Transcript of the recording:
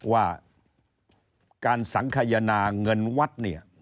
ว่าการสังขยะนาเงินวัด